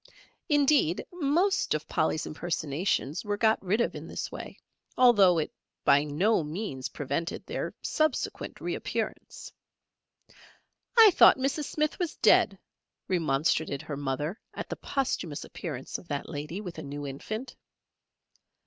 Indeed, most of Polly's impersonations were got rid of in this way, although it by no means prevented their subsequent reappearance. "I thought Mrs. Smith was dead," remonstrated her mother at the posthumous appearance of that lady with a new infant.